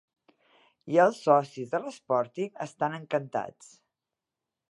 I els socis de l'Sporting estan encantats.